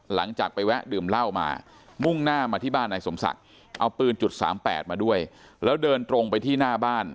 หลังจากไปแวะดื่มเหล้ามามุ่งหน้ามาที่บ้านนายสมศักดิ์เอาปืนจุดสามแปดมาด้วยแล้วเดินตรงไปที่หน้าบ้าน